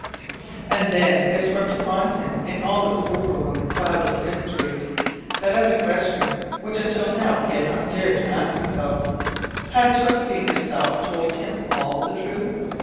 And then there swept upon him in all its overwhelming cloud of mystery that other question which until now he had not dared to ask himself: HAD JOSEPHINE HERSELF TOLD HIM ALL THE TRUTH?